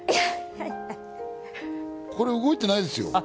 これ、動いてないですよ。